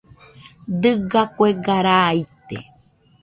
Dɨga kuega raa ite.